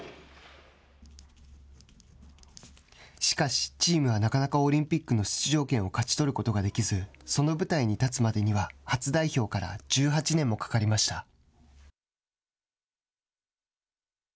しかし、チームはなかなかオリンピックの出場権を勝ち取ることができずその舞台に立つまでには初代表から１８年もかかりました。